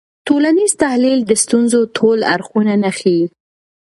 ټولنیز تحلیل د ستونزو ټول اړخونه نه ښيي.